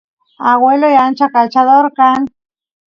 agueloy ancha kachador kan